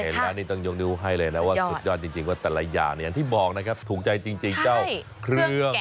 เห็นแล้วนี่ต้องยกนิ้วให้เลยนะว่าสุดยอดจริงว่าแต่ละอย่างเนี่ยอย่างที่บอกนะครับถูกใจจริงเจ้าเครื่อง